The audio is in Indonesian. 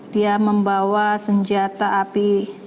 dia membawa senjata api